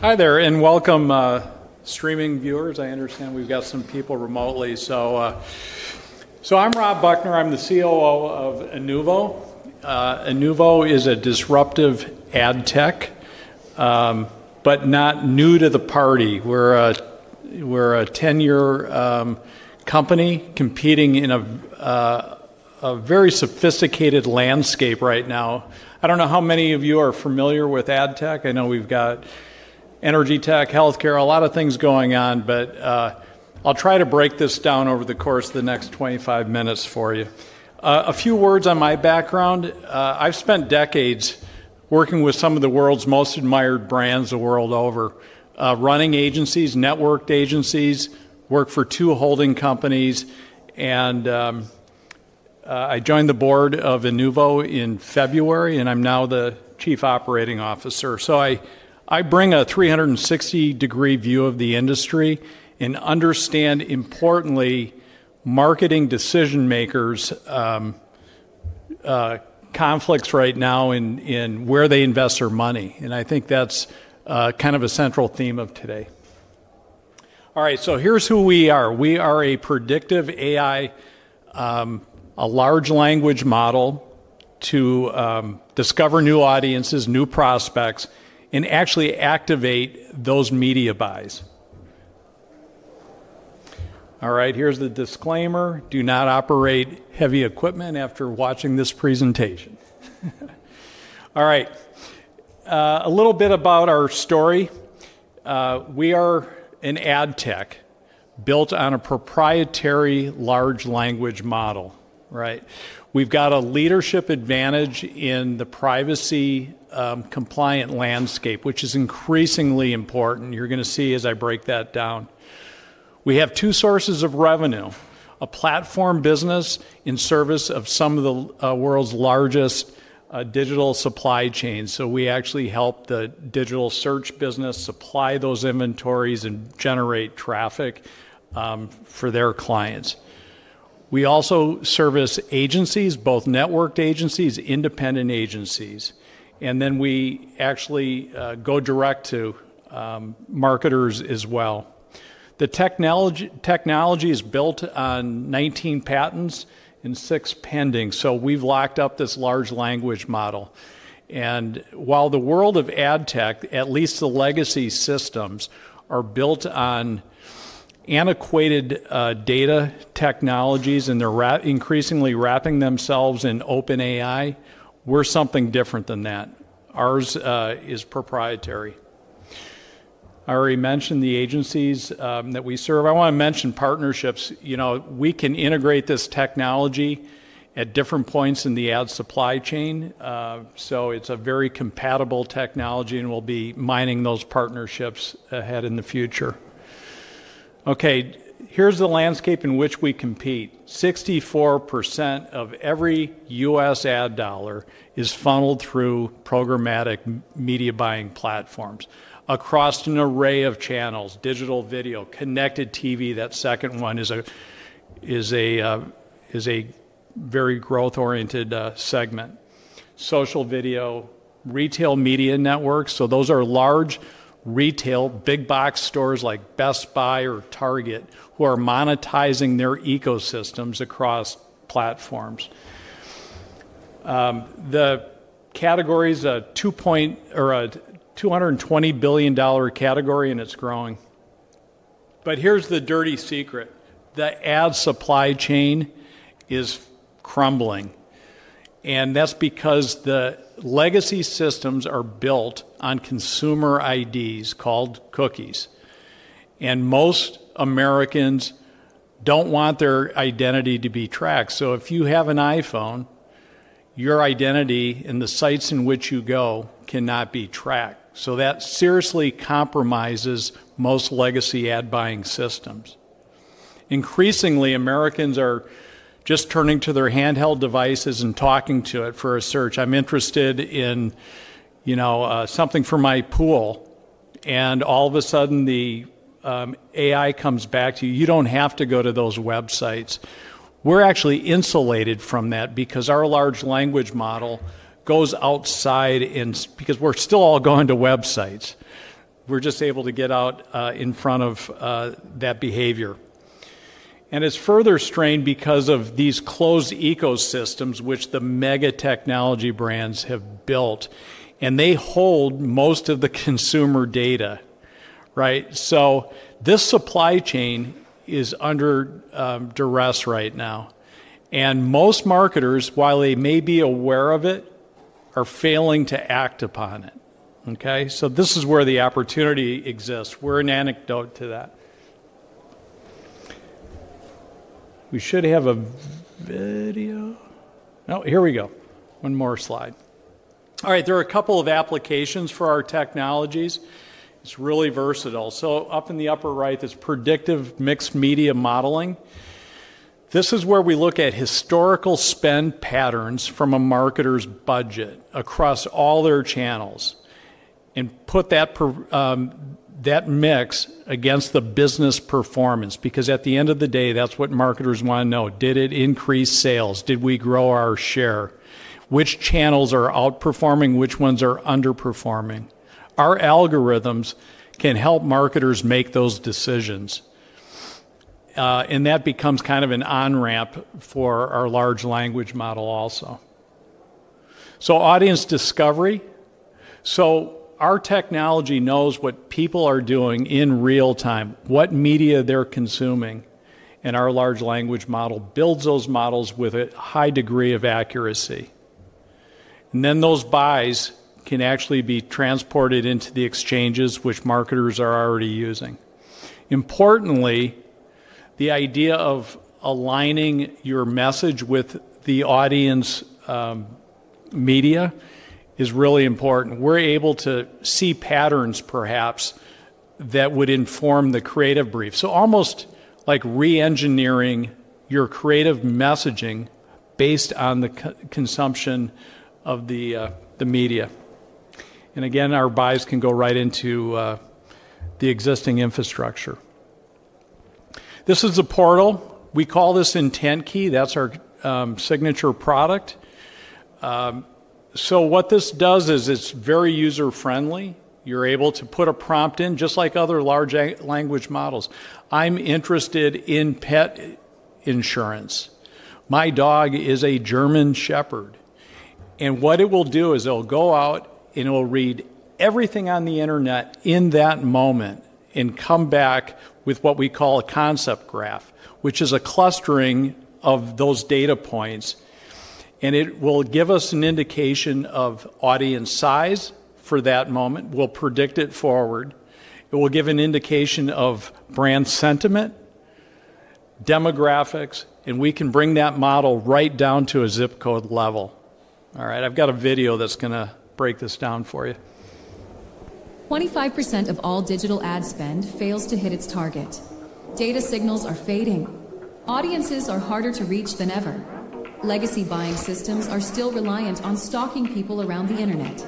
Hi there, and welcome, streaming viewers. I understand we've got some people remotely. I'm Rob Buchner. I'm the COO of Inuvo. Inuvo Inc. is a disruptive ad tech, but not new to the party. We're a 10-year company competing in a very sophisticated landscape right now. I don't know how many of you are familiar with ad tech. I know we've got energy tech, health care, a lot of things going on. I'll try to break this down over the course of the next 25 minutes for you. A few words on my background. I've spent decades working with some of the world's most admired brands the world over, running agencies, networked agencies, worked for two holding companies. I joined the board of Inuvo in February, and I'm now the Chief Operating Officer. I bring a 360-degree view of the industry and understand, importantly, marketing decision makers, conflicts right now in where they invest their money. I think that's kind of a central theme of today. All right, so here's who we are. We are a predictive AI, a large language model to discover new audiences, new prospects, and actually activate those media buys. All right, here's the disclaimer: do not operate heavy equipment after watching this presentation. A little bit about our story. We are an ad tech built on a proprietary large language model. We've got a leadership advantage in the privacy-compliant landscape, which is increasingly important. You are going to see as I break that down. We have two sources of revenue: a platform business in service of some of the world's largest digital supply chains. We actually help the digital search business supply those inventories and generate traffic for their clients. We also service agencies, both networked agencies and independent agencies. Then we actually go direct to marketers as well. The technology is built on 19 patents and 6 pending. We've locked up this large language model. While the world of ad tech, at least the legacy systems, are built on antiquated data technologies and they're increasingly wrapping themselves in OpenAI, we're something different than that. Ours is proprietary. I already mentioned the agencies that we serve. I want to mention partnerships. We can integrate this technology at different points in the ad supply chain. It's a very compatible technology, and we'll be mining those partnerships ahead in the future. Okay, here's the landscape in which we compete. 64% of every U.S. ad dollar is funneled through programmatic media buying platforms across an array of channels: digital, video, connected TV. That second one is a very growth-oriented segment. Social video, retail media networks. Those are large retail big-box stores like Best Buy or Target who are monetizing their ecosystems across platforms. The category's a $220 billion category, and it's growing. Here's the dirty secret: the ad supply chain is crumbling. That's because the legacy systems are built on consumer IDs called cookies. Most Americans don't want their identity to be tracked. If you have an iPhone, your identity and the sites in which you go cannot be tracked. That seriously compromises most legacy ad-buying systems. Increasingly, Americans are just turning to their handheld devices and talking to it for a search. I'm interested in, you know, something for my pool. All of a sudden, the AI comes back to you. You don't have to go to those websites. We're actually insulated from that because our large language model goes outside and because we're still all going to websites. We're just able to get out in front of that behavior. It's further strained because of these closed ecosystems, which the mega technology brands have built. They hold most of the consumer data. Right? This supply chain is under duress right now. Most marketers, while they may be aware of it, are failing to act upon it. This is where the opportunity exists. We're an anecdote to that. We should have a video. Oh, here we go. One more slide. There are a couple of applications for our technologies. It's really versatile. Up in the upper right, this predictive mixed media modeling. This is where we look at historical spend patterns from a marketer's budget across all their channels and put that mix against the business performance because, at the end of the day, that's what marketers wanna know. Did it increase sales? Did we grow our share? Which channels are outperforming? Which ones are underperforming? Our algorithms can help marketers make those decisions, and that becomes kind of an on-ramp for our large language model also. Audience discovery. Our technology knows what people are doing in real time, what media they're consuming, and our large language model builds those models with a high degree of accuracy. Those buys can actually be transported into the exchanges, which marketers are already using. Importantly, the idea of aligning your message with the audience, media is really important. We're able to see patterns, perhaps, that would inform the creative brief. Almost like re-engineering your creative messaging based on the consumption of the media. Our buys can go right into the existing infrastructure. This is a portal. We call this IntentKey. That's our signature product. What this does is it's very user-friendly. You're able to put a prompt in just like other large language models. I'm interested in pet insurance. My dog is a German Shepherd. What it will do is it'll go out and it'll read everything on the Internet in that moment and come back with what we call a concept graph, which is a clustering of those data points. It will give us an indication of audience size for that moment. We'll predict it forward. It will give an indication of brand sentiment, demographics, and we can bring that model right down to a zip code level. All right, I've got a video that's going to break this down for you. 25% of all digital ad spend fails to hit its target. Data signals are fading. Audiences are harder to reach than ever. Legacy buying systems are still reliant on stalking people around the Internet.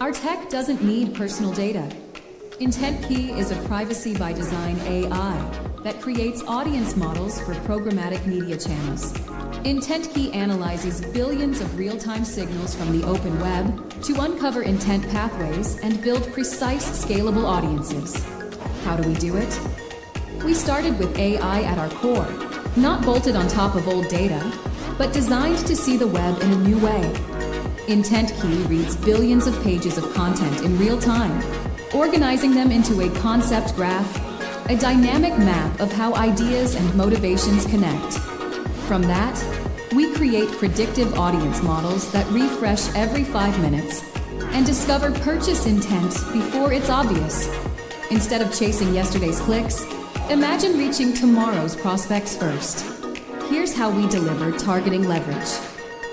Our tech doesn't need personal data. IntentKey AI is a privacy-by-design AI that creates audience models for programmatic media channels. IntentKey AI analyzes billions of real-time signals from the open web to uncover intent pathways and build precise, scalable audiences. How do we do it? We started with AI at our core, not bolted on top of old data, but designed to see the web in a new way. IntentKey AI reads billions of pages of content in real time, organizing them into a concept graph, a dynamic map of how ideas and motivations connect. From that, we create predictive audience models that refresh every five minutes and discover purchase intent before it's obvious. Instead of chasing yesterday's clicks, imagine reaching tomorrow's prospects first. Here's how we deliver targeting leverage.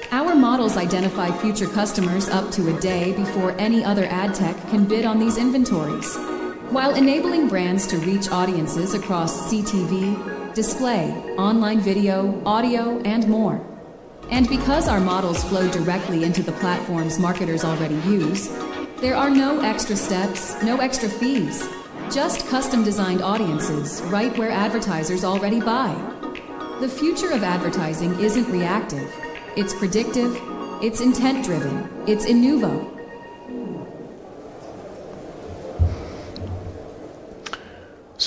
Our models identify future customers up to a day before any other ad tech can bid on these inventories, while enabling brands to reach audiences across connected TV, display, online video, audio, and more. Because our models flow directly into the platforms marketers already use, there are no extra steps, no extra fees, just custom-designed audiences right where advertisers already buy. The future of advertising isn't reactive. It's predictive. It's intent-driven. It's Inuvo Inc.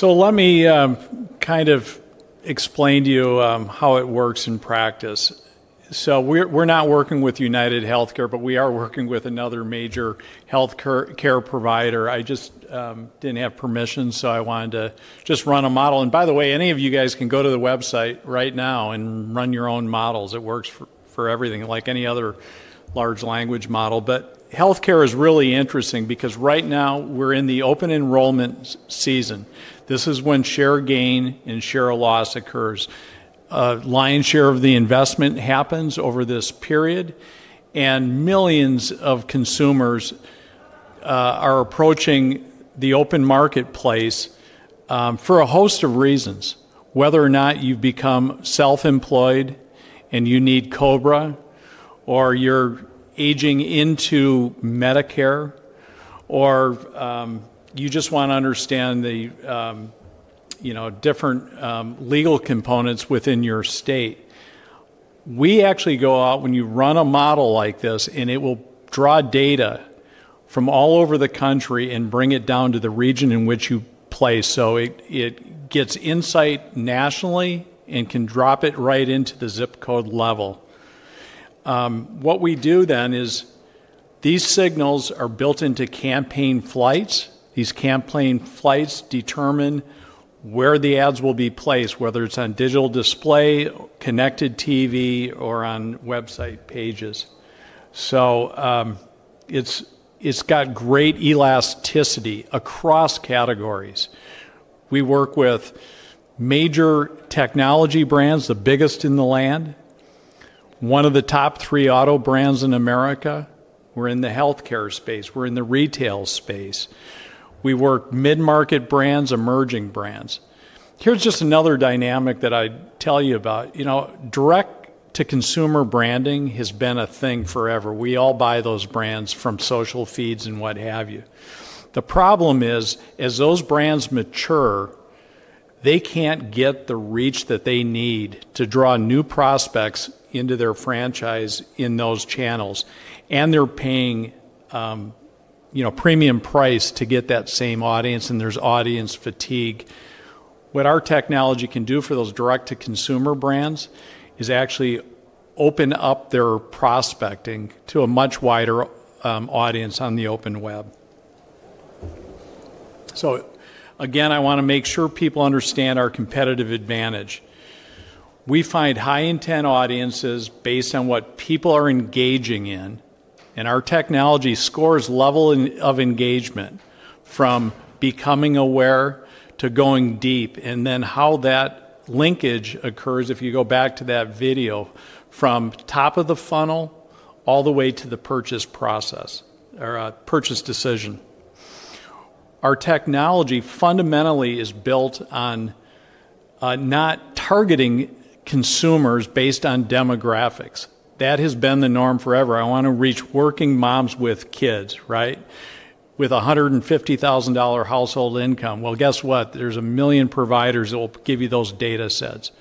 Let me explain to you how it works in practice. We're not working with UnitedHealthcare, but we are working with another major health care provider. I just didn't have permission, so I wanted to just run a model. By the way, any of you guys can go to the website right now and run your own models. It works for everything, like any other large language model. Health care is really interesting because right now we're in the open enrollment season. This is when share gain and share loss occurs. The lion's share of the investment happens over this period, and millions of consumers are approaching the open marketplace for a host of reasons. Whether or not you've become self-employed and you need COBRA, or you're aging into Medicare, or you just want to understand the different legal components within your state. We actually go out when you run a model like this, and it will draw data from all over the country and bring it down to the region in which you place. It gets insight nationally and can drop it right into the zip code level. What we do then is these signals are built into campaign flights. These campaign flights determine where the ads will be placed, whether it's on digital display, connected TV, or on website pages. It's got great elasticity across categories. We work with major technology brands, the biggest in the land, one of the top three auto brands in America. We're in the health care space. We're in the retail space. We work mid-market brands, emerging brands. Here's just another dynamic that I tell you about. Direct-to-consumer branding has been a thing forever. We all buy those brands from social feeds and what have you. The problem is, as those brands mature, they can't get the reach that they need to draw new prospects into their franchise in those channels. They're paying premium price to get that same audience, and there's audience fatigue. What our technology can do for those direct-to-consumer brands is actually open up their prospecting to a much wider audience on the open web. I want to make sure people understand our competitive advantage. We find high-intent audiences based on what people are engaging in, and our technology scores level of engagement from becoming aware to going deep. Then how that linkage occurs, if you go back to that video, from top of the funnel all the way to the purchase process or purchase decision. Our technology fundamentally is built on not targeting consumers based on demographics. That has been the norm forever. I wanna reach working moms with kids, right, with $150,000 household income. Guess what? There's a million providers that will give you those data sets.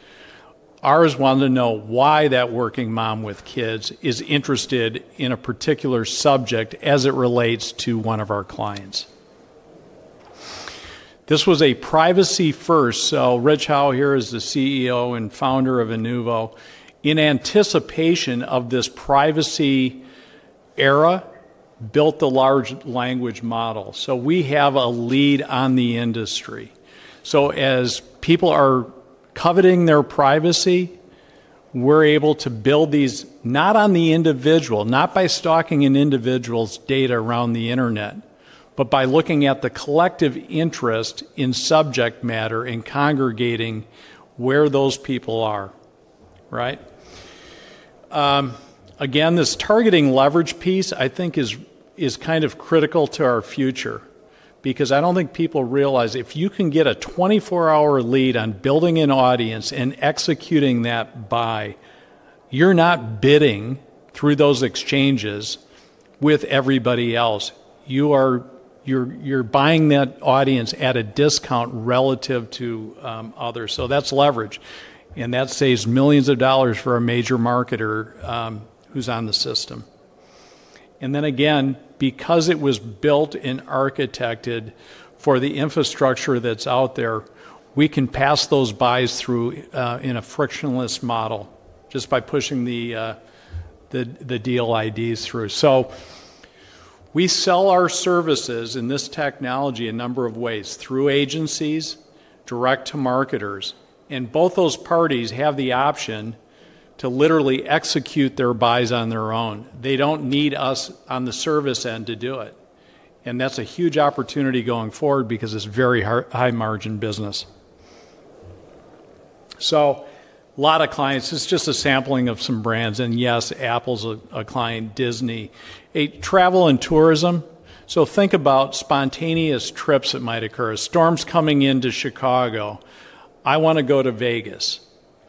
Ours wanted to know why that working mom with kids is interested in a particular subject as it relates to one of our clients. This was a privacy first. Rich Howe here is the CEO and founder of Inuvo. In anticipation of this privacy era, built the large language model. We have a lead on the industry. As people are coveting their privacy, we're able to build these not on the individual, not by stalking an individual's data around the Internet, but by looking at the collective interest in subject matter and congregating where those people are. Right? Again, this targeting leverage piece I think is kind of critical to our future because I don't think people realize if you can get a 24-hour lead on building an audience and executing that buy, you're not bidding through those exchanges with everybody else. You are, you're buying that audience at a discount relative to others. That's leverage. That saves millions of dollars for a major marketer who's on the system. Because it was built and architected for the infrastructure that's out there, we can pass those buys through in a frictionless model just by pushing the deal IDs through. We sell our services and this technology a number of ways: through agencies, direct to marketers. Both those parties have the option to literally execute their buys on their own. They don't need us on the service end to do it. That's a huge opportunity going forward because it's very high-margin business. A lot of clients, it's just a sampling of some brands. Yes, Apple's a client, Disney. A travel and tourism. Think about spontaneous trips that might occur. Storms coming into Chicago. I want to go to Vegas.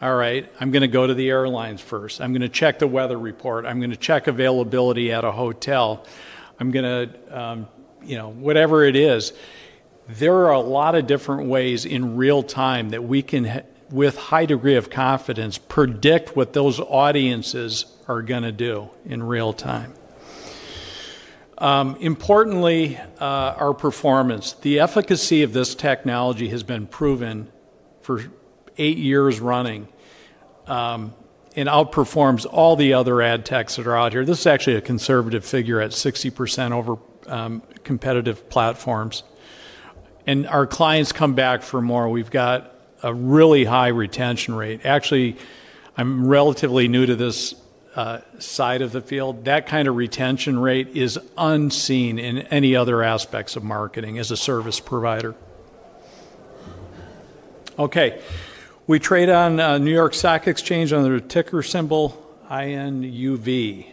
All right. I'm going to go to the airlines first. I'm going to check the weather report. I'm going to check availability at a hotel. I'm going to, you know, whatever it is. There are a lot of different ways in real time that we can, with a high degree of confidence, predict what those audiences are going to do in real time. Importantly, our performance. The efficacy of this technology has been proven for eight years running, and outperforms all the other ad techs that are out here. This is actually a conservative figure at 60% over competitive platforms, and our clients come back for more. We've got a really high retention rate. Actually, I'm relatively new to this side of the field. That kind of retention rate is unseen in any other aspects of marketing as a service provider. We trade on the NYSE under the ticker symbol INUV,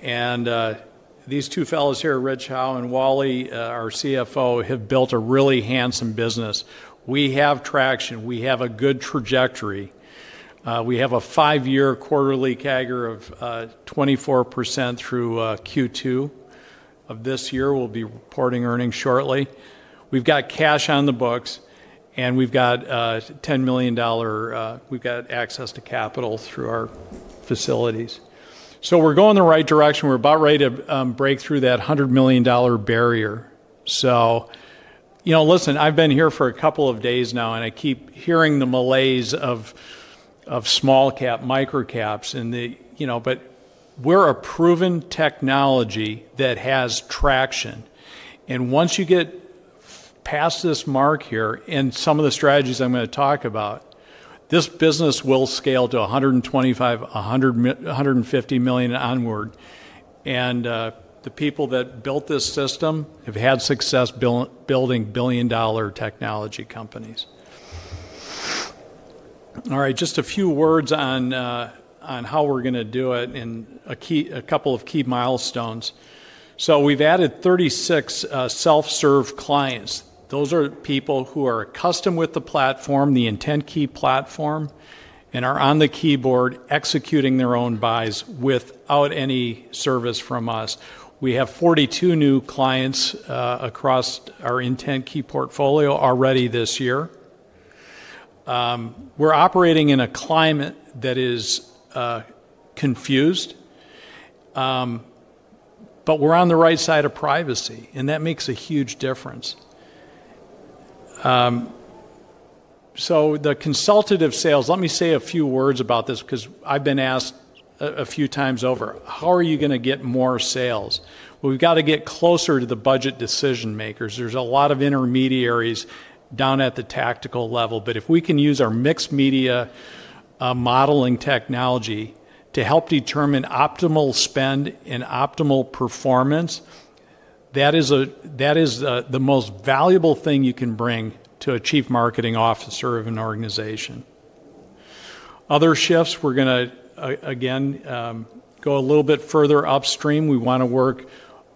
and these two fellows here, Rich Howe and Wally Ruiz, our CFO, have built a really handsome business. We have traction. We have a good trajectory. We have a five-year quarterly CAGR of 24% through Q2 of this year. We'll be reporting earnings shortly. We've got cash on the books, and we've got a $10 million, we've got access to capital through our facilities. We're going the right direction. We're about ready to break through that $100 million barrier. You know, I've been here for a couple of days now, and I keep hearing the malaise of small cap, micro caps, and the, you know, but we're a proven technology that has traction. Once you get past this mark here and some of the strategies I'm going to talk about, this business will scale to $125 million, $100 million, $150 million onward. The people that built this system have had success building billion-dollar technology companies. All right, just a few words on how we're going to do it and a couple of key milestones. We've added 36 self-serve clients. Those are people who are accustomed with the platform, the IntentKey AI platform, and are on the keyboard executing their own buys without any service from us. We have 42 new clients across our IntentKey AI portfolio already this year. We're operating in a climate that is confused, but we're on the right side of privacy, and that makes a huge difference. The consultative sales, let me say a few words about this because I've been asked a few times over. How are you going to get more sales? We've got to get closer to the budget decision makers. There's a lot of intermediaries down at the tactical level. If we can use our mixed media modeling technology to help determine optimal spend and optimal performance, that is the most valuable thing you can bring to a Chief Marketing Officer of an organization. Other shifts, we're going to, again, go a little bit further upstream. We want to work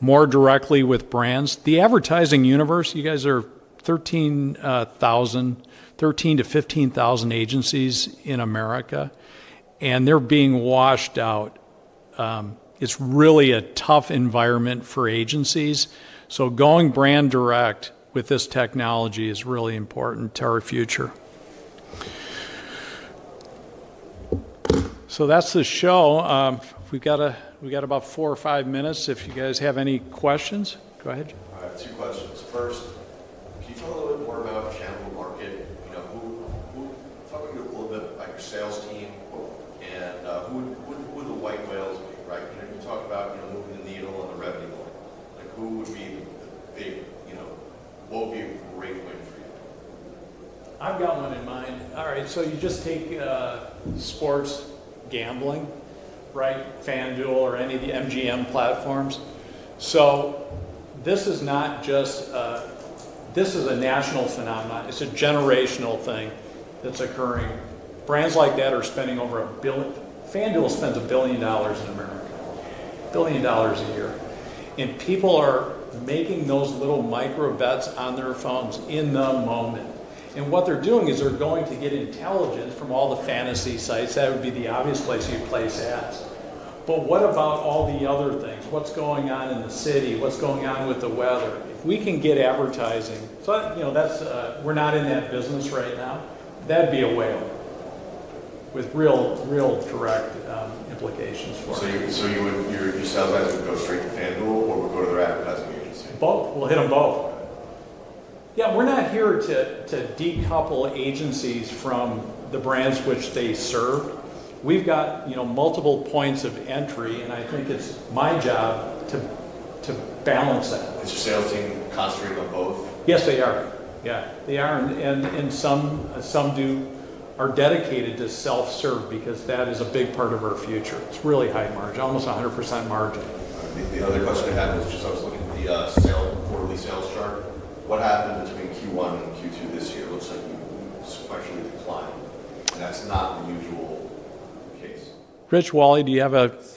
more directly with brands. The advertising universe, you guys are 13,000, 13,000-15,000 agencies in America, and they're being washed out. It's really a tough environment for agencies. Going brand direct with this technology is really important to our future. That's the show. We've got about four or five minutes. If you guys have any questions, go ahead. I have two questions. First, can you talk a little bit more about the capital market? Talk a little bit about your sales team. Who would the white whales be, right? You talk about moving the needle on the revenue model. Who would be the big, what would be a great win for you? I've got one in mind. All right. You just take sports gambling, right, FanDuel or any of the MGM platforms. This is not just a national phenomenon. It's a generational thing that's occurring. Brands like that are spending over $1 billion. FanDuel spends $1 billion in America, $1 billion a year. People are making those little micro bets on their phones in the moment. What they're doing is they're going to get intelligence from all the fantasy sites. That would be the obvious place you'd place ads. What about all the other things? What's going on in the city? What's going on with the weather? If we can get advertising, that's, we're not in that business right now. That'd be a whale with real, real direct implications for us. Would your sales guys go straight to FanDuel or would they go to their advertising agency? Both. We'll hit them both. Got it. We're not here to decouple agencies from the brands which they serve. We've got multiple points of entry, and I think it's my job to balance that. Is your sales team concentrated on both? Yes, they are. They are. Some are dedicated to self-serve because that is a big part of our future. It's really high margin, almost 100% margin. The other question I had was just I was looking at the quarterly sales chart. What happened between Q1 and Q2 this year? It looks like you sequentially declined. That's not the usual case. Rich, Wally, do you have a?